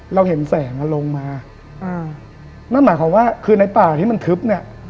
เราเห็นแสงอ่ะลงมาอ่านั่นหมายความว่าคือในป่าที่มันทึบเนี่ย